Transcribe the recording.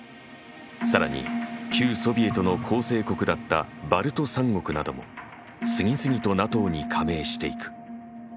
さらに旧ソビエトの構成国だったバルト三国なども次々とＮＡＴＯに加盟していく。